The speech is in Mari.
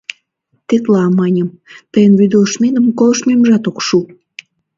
Тетла, — маньым, — тыйын вӱдылыштметым колыштмемжат ок шу!